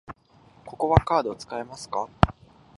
ここはカード使えますか？